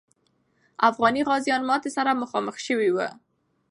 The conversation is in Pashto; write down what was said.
افغاني غازیان ماتي سره مخامخ سوي وو.